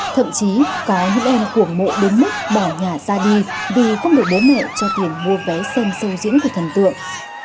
thậm chí có những em của mộ đến mức bỏ nhà ra đi vì không được bố mẹ cho tiền mua vé xem sâu dĩnh về thần tượng